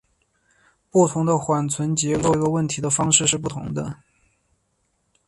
不同的缓存架构处理这个问题的方式是不同的。